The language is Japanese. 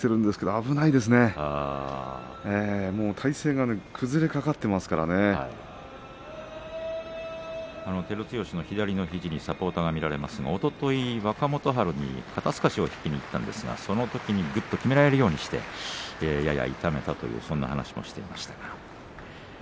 もう体勢が照強の右の肘にサポーターが見られますがおととい若元春に逆とったりにいきましたがそのときにきめられるようにしてやや痛めたというそんな話をしていました。